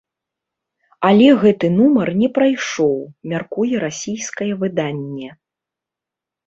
Але гэты нумар не прайшоў, мяркуе расійскае выданне.